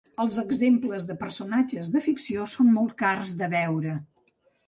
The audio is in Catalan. Els exemples de personatges de ficció són molt cars de veure.